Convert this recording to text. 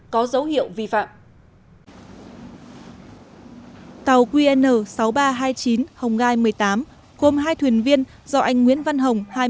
có dấu hiệu vi phạm tàu qn sáu nghìn ba trăm hai mươi chín hồng gai một mươi tám gồm hai thuyền viên do anh nguyễn văn hồng